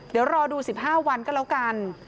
เดี๋ยวรอดู๑๕วันก็แล้วกัน